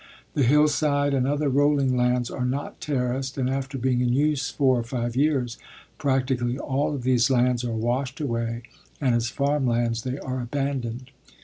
The hillside and other rolling lands are not terraced and after being in use four or five years, practically all of these lands are washed away and as farm lands they are abandoned.